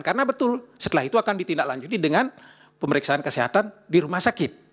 karena betul setelah itu akan ditindaklanjuti dengan pemeriksaan kesehatan di rumah sakit